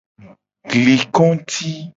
Gli konguti.